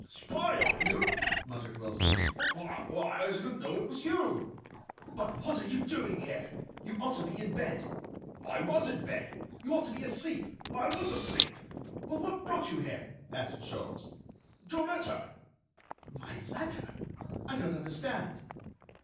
"Spy on you!" muttered Wilson, "why, I didn't know it was you." "But what are you doing here? You ought to be in bed." "I was in bed." "You ought to be asleep." "I was asleep." "Well, what brought you here?" asked Sholmes. "Your letter." "My letter? I don't understand."